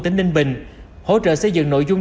tỉnh ninh bình hỗ trợ xây dựng nội dung